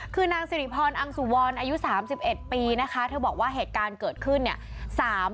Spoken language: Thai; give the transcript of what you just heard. คือนางสิริพรอังสุวรอายุ๓๑ปีนะคะเธอบอกว่าเหตุการณ์เกิดขึ้นเนี่ย